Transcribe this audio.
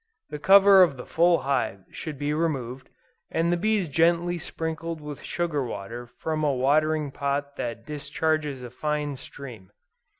The cover of the full hive should be removed, and the bees gently sprinkled with sugar water from a watering pot that discharges a fine stream.